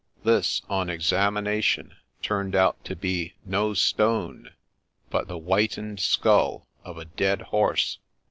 This, on examination, turned out to be no stone, but the whitened skull of a dead horse